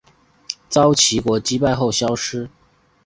遭齐国击败后消失。